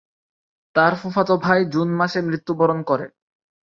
তার ফুফাতো ভাই জুন মাসে মৃত্যুবরণ করে।